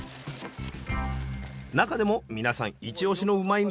中でも皆さんイチオシのうまいッ！